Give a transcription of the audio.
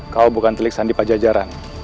kau bukan telik sandi pajajaran